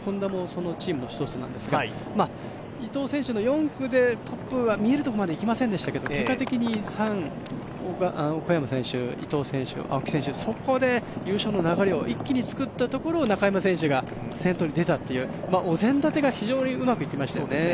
Ｈｏｎｄａもそのチームの一つなんですが伊藤選手の４区でトップが見えるところまでいきませんでしたけど、結果的に小山選手、伊藤選手、青木選手、そこで優勝の流れを一気につくったところを中山選手が先頭に出たとお膳立てが非常にうまくいきましたよね。